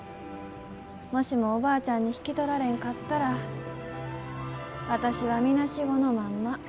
もしもおばあちゃんに引き取られんかったら私はみなしごのまんま。